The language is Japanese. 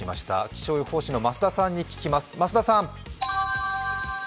気象予報士の増田さんに聞きます。